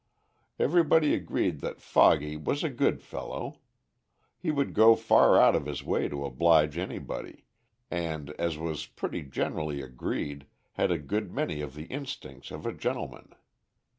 Everybody agreed that "Foggy" was a good fellow. He would go far out of his way to oblige anybody, and, as was pretty generally agreed, had a good many of the instincts of a gentleman.